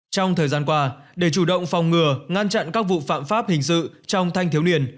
trong thời gian qua để chủ động phòng ngừa ngăn chặn các vụ phạm pháp hình sự trong thanh thiếu niên